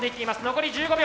残り１５秒。